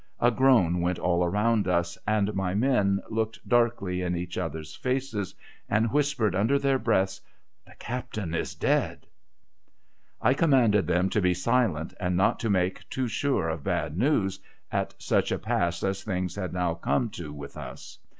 A groan went all round us, and my men looked darkly in each other's faces, and whispered under their breaths :' The captain is dead 1 ' I commanded them to be silent, and not to make too sure of bad news, at such a pass as things had now come to with us.